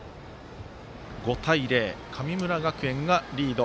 ５対０、神村学園がリード。